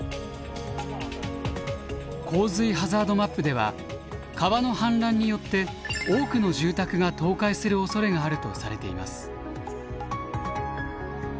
洪水ハザードマップでは川の氾濫によって多くの住宅が倒壊するおそれがあるとされています。